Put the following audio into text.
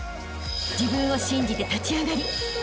［自分を信じて立ち上がりあしたへ